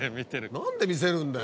何で見せるんだよ！